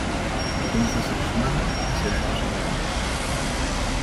Entonces los matan y se vende su carne.